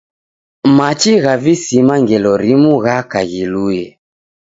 Machi gha visima ngelo rimu ghaka ghilue.